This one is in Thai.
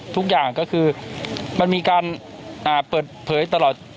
ทุกอย่างก็คือมันมีการเปิดเผยตลอด